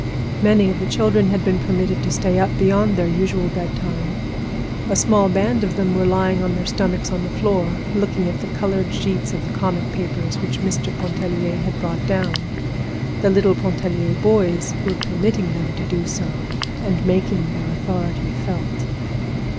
Many of the children had been permitted to sit up beyond their usual bedtime. A small band of them were lying on their stomachs on the floor looking at the colored sheets of the comic papers which Mr. Pontellier had brought down. The little Pontellier boys were permitting them to do so, and making their authority felt.